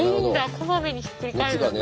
こまめにひっくり返すんだ。